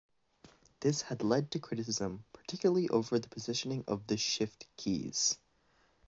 This has led to criticism, particularly over the positioning of the "Shift" keys.